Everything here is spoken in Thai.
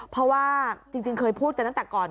เพราะว่าจริงเคยพูดกันตั้งแต่ก่อน